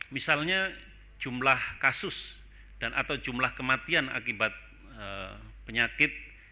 misalnya jumlah kasus dan atau jumlah kematian akibat penyakit